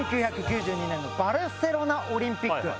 １９９２年のバルセロナオリンピック。